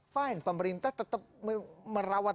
fine pemerintah tetap merawat